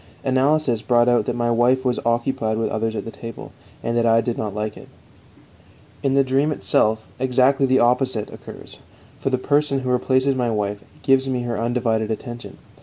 Analysis brought out that my wife was occupied with others at table, and that I did not like it; in the dream itself exactly the opposite occurs, for the person who replaces my wife gives me her undivided attention.